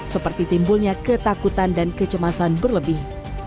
seperti timbulnya ketakutan dan kecemasan berlebih